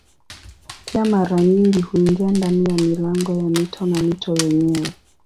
Pia mara nyingi huingia ndani ya milango ya mito na mito yenyewe.